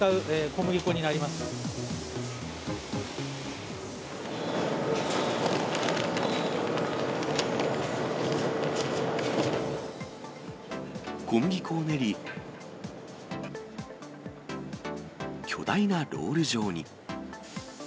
小麦粉を練り、巨大なロール状に。